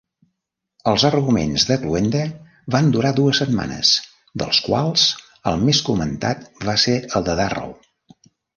Els arguments de cloenda van durar dues setmanes, dels quals el més comentat va ser el de Darrow.